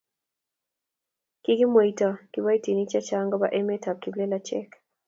kikimweito kiboitinik chechang koba emetab kiplelachek